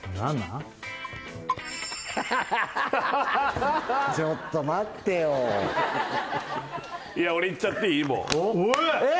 ハハハハハちょっと待ってよおえっ？